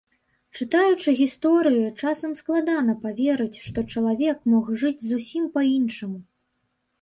Чытаючы гісторыі, часам складана паверыць, што чалавек мог жыць зусім па-іншаму.